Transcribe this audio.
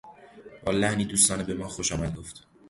با لحنی دوستانه به ما خوشامد گفت.